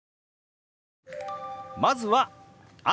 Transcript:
まずは「朝」。